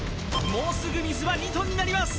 もうすぐ水は２ｔになります